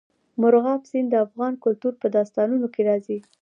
مورغاب سیند د افغان کلتور په داستانونو کې راځي.